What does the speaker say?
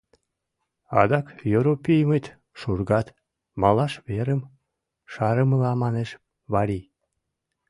— Адак Йоропиймыт шургат... — малаш верым шарымыла манеш Варий.